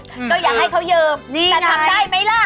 ก็อย่าให้เขายืมแต่ทำได้ไหมล่ะ